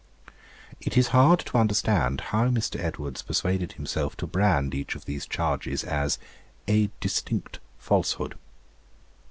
It is hard to understand how Mr. Edwards persuaded himself to brand each of these charges as 'a distinct falsehood.'